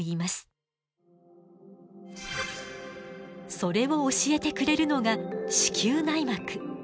それを教えてくれるのが子宮内膜。